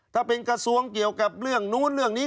ถ้าเป็นกระทรวงเกี่ยวกับเรื่องนู้นเรื่องนี้